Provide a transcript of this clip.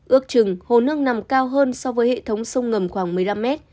ước chừng hồ nước nằm cao hơn so với hệ thống sông ngầm khoảng một mươi năm mét